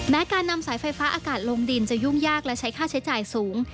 การนำสายไฟฟ้าอากาศลงดินจะยุ่งยากและใช้ค่าใช้จ่ายสูง